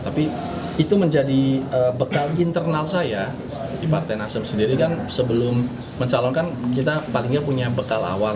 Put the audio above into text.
tapi itu menjadi bekal internal saya di partai nasdem sendiri kan sebelum mencalonkan kita paling tidak punya bekal awal